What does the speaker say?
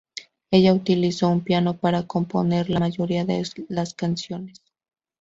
Ella utilizó un piano para componer la mayoría de las canciones.